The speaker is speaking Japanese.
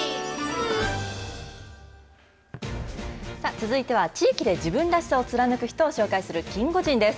続いては、地域で自分らしさを貫く人を紹介するキンゴジンです。